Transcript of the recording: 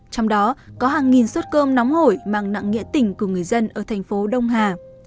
trong đó có hàng nghìn suất cơm nóng hổi mang nặng nghĩa tình của người dân ở thành phố đông hà